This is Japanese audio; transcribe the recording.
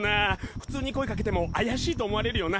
普通に声かけても怪しいと思われるよな。